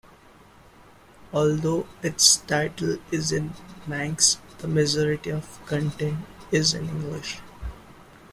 Although its title is in Manx, the majority of content is in English.